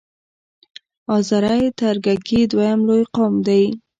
آذری ترکګي دویم لوی قوم دی.